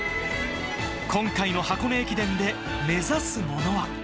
今回の箱根駅伝で目指すものは。